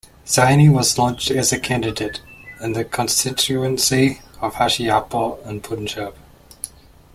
Saini was launched as a candidate in the constituency of Hoshiarpur in Punjab.